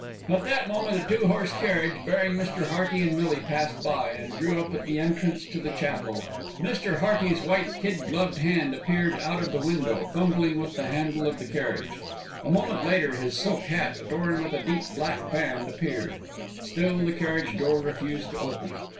At that moment a two horse carriage bearing Mr. Hearty and Millie passed by, and drew up at the entrance to the chapel. Mr. Hearty's white kid gloved hand appeared out of the window, fumbling with the handle of the carriage. A moment later his silk hat, adorned with a deep black band, appeared; still the carriage door refused to open.